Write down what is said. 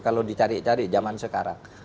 kalau dicari cari zaman sekarang